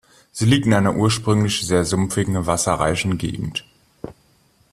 Sie liegt in einer ursprünglich sehr sumpfigen, wasserreichen Gegend.